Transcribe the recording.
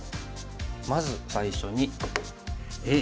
まず最初にＡ。